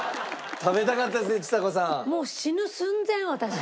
食べたかったですねちさ子さん。